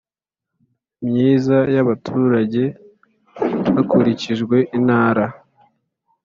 Myiza y abaturage hakurikijwe intara